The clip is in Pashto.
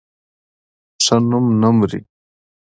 ښه نوم نه مري